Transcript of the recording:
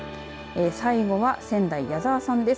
最後は仙台、矢澤さんです。